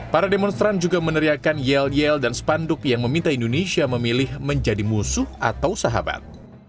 para demonstran juga meneriakan yel yel dan spanduk yang meminta indonesia memilih menjadi musuh atau sahabat